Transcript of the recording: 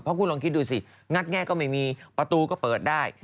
เพราะคุณลองคิดดูสิงัดแง่ก็ไม่มีประตูก็เปิดได้